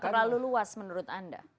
terlalu luas menurut anda